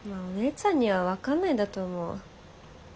お姉ちゃんには分かんないんだと思う。